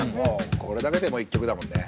これだけでもう一曲だもんね。